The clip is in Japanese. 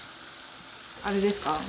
あれですか？